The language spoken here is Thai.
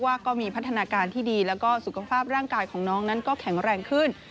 ว่าก็มีพัฒนาการที่ดีแล้วก็สุขภาพร่างกายของน้องนั้นก็แข็งแรงขึ้น